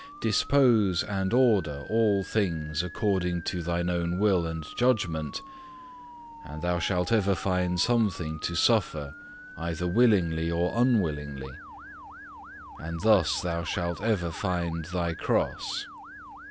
Dispose and order all things according to thine own will and judgment, and thou shalt ever find something to suffer either willingly or unwillingly, and thus thou shalt ever find thy cross.